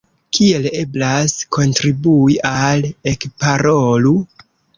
Kiel eblas kontribui al Ekparolu?